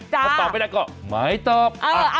ถ้าตอบไม่ได้ก็หมายตอบ